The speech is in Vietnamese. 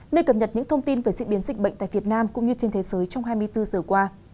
nơi cập nhật những thông tin về diễn biến dịch bệnh tại việt nam cũng như trên thế giới trong hai mươi bốn giờ qua